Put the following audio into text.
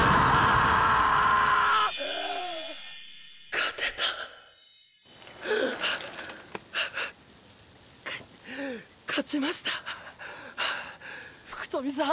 勝てた勝ちました福富さん。